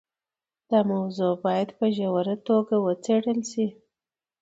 دا موضوع باید په ژوره توګه وڅېړل شي.